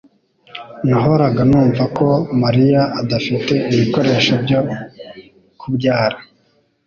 Nahoraga numva ko Mariya adafite ibikoresho byo kubyara